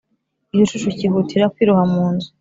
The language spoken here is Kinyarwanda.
Igicucu cyihutira kwiroha mu nzu,